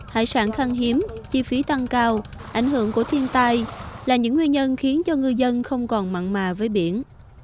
hải sản khăn hiếm chi phí tăng cao ảnh hưởng của thiên tai là những nguyên nhân khiến cho ngư dân không còn mặn mà với biển